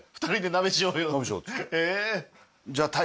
鍋しようっつって。